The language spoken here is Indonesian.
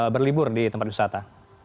berlibur di tempat wisata